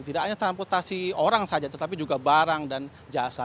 tidak hanya transportasi orang saja tetapi juga barang dan jasa